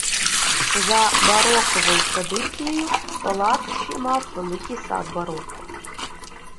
За бароковою традицію палац ще мав великий сад бароко.